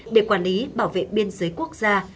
để quản lý bảo vệ biên giới quốc gia